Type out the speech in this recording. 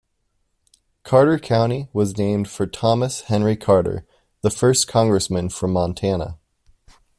Carter County was named for Thomas Henry Carter, the first congressman from Montana.